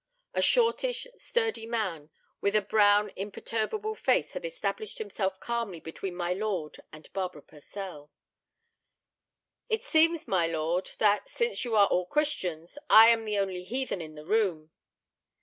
A shortish, sturdy man with a brown, imperturbable face had established himself calmly between my lord and Barbara Purcell. "It seems, my lord, that, since you are all Christians, I am the only heathen in the room."